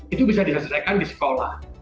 itu bisa diselesaikan di sekolah